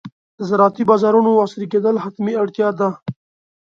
د زراعتي بازارونو عصري کېدل حتمي اړتیا ده.